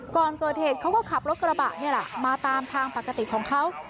ก่อนเกิดเหตุเขาก็ขับรถกระบะนี่แหละมาตามทางปกติของเขา